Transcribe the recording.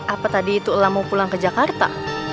apa tadi itu ela mau pulang ke jakarta